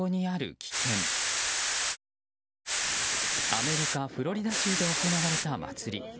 アメリカ・フロリダ州で行われた祭り。